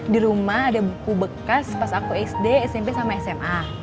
di rumah ada buku bekas pas aku sd smp sama sma